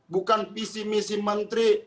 bukan visi misi menteri